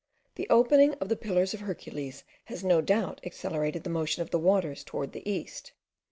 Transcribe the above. The opening of the Pillars of Hercules has no doubt accelerated the motion of the waters towards the east.